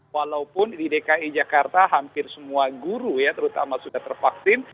walaupun di dki jakarta hampir semua guru ya terutama sudah tervaksin